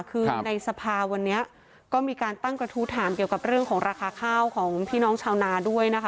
คือในสภาวันนี้ก็มีการตั้งกระทู้ถามเกี่ยวกับเรื่องของราคาข้าวของพี่น้องชาวนาด้วยนะคะ